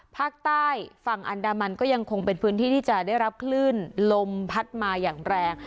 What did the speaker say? ภาคใต้ฝั่งอันดามันก็ยังคงเป็นพื้นที่ที่จะได้รับคลื่นลมพัดมาอย่างแรง